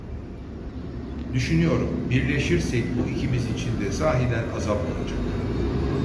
Düşünüyorum, birleşirsek bu ikimiz için de sahiden azap olacak.